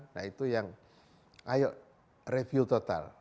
nah itu yang ayo review total